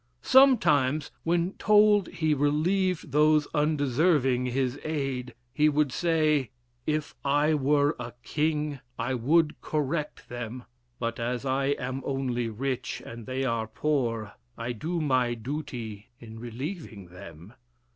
Sometimes, when told he relieved those undeserving his aid, he would say, "If I were a king I would correct them, but as I am only rich and they are poor, I do my duty in relieving them."